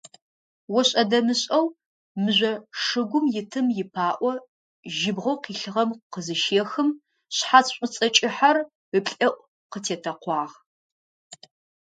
Ошӏэ-дэмышӏэу мыжъо шыгум итым ипаӏо жьыбгъэу къилъыгъэм къызыщехым, шъхьац шӏуцӏэ кӏыхьэр ыплӏэӏу къытетэкъуагъ.